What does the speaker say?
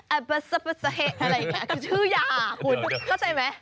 อัปศัพท์เฉพาะอะไรแบบเนี้ย